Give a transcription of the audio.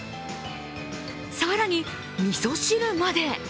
更にみそ汁まで。